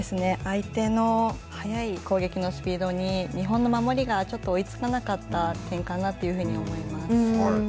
相手の速い攻撃のスピードに日本の守りがちょっと追いつかなかった点かなというふうに思います。